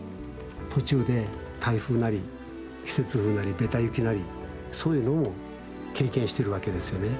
途中で台風なり季節風なりべた雪なりそういうのも経験してるわけですよね。